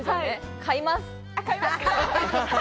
買います。